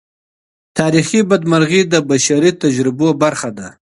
تاریخي بدمرغۍ د بشري تجربو برخه ده.